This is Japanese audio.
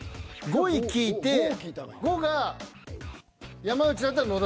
５位聞いて。